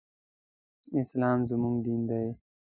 اسلام زموږ دين دی